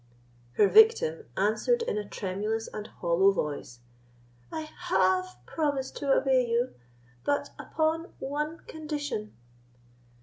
Her victim answered in a tremulous and hollow voice: "I have promised to obey you—but upon one condition."